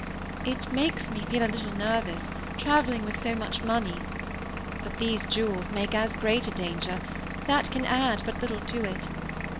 "It makes me feel a little nervous, traveling with so much money; but these jewels make as great a danger; that can add but little to it.